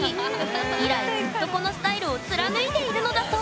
以来ずっとこのスタイルを貫いているのだそう